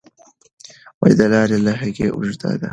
دا لار له هغې اوږده ده.